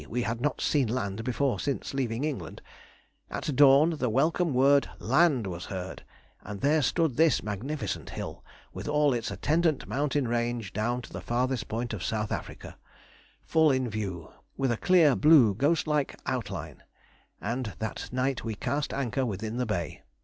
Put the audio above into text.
we had not seen land before since leaving England), at dawn the welcome word "land" was heard, and there stood this magnificent hill, with all its attendant mountain range down to the farthest point of South Africa, full in view, with a clear blue ghost like outline, and that night we cast anchor within the Bay.